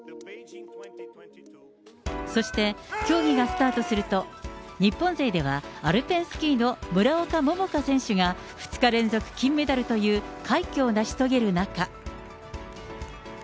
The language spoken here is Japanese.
そして、競技がスタートすると、日本勢ではアルペンスキーの村岡桃佳選手が、２日連続金メダルという快挙を成し遂げる中。